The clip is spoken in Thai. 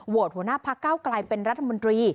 โหวดหัวหน้าภักดิ์เก้ากลายเป็นรัฐมนตรี